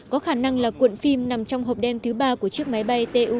có khả năng là cuộn phim nằm trong hộp đem thứ ba của chiếc máy bay tu một trăm năm mươi bốn